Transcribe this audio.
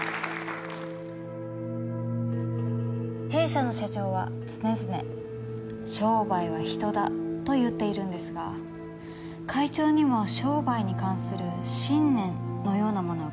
弊社の社長は常々「商売は人だ」と言っているんですが会長にも商売に関する信念のようなものはございますか？